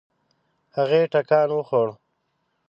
هغې ټکان وخوړ.